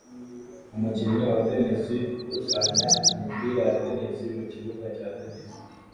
Umukinnyi wa tennis ukusanya imipira ya tennis mu kibuga cya tennis